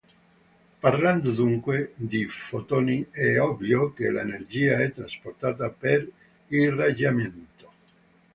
Parlando, dunque, di fotoni, è ovvio che l'energia è trasportata per irraggiamento.